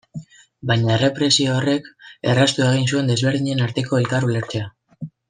Baina errepresio horrek erraztu egin zuen desberdinen arteko elkar ulertzea.